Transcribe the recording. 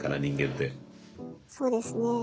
そうですね。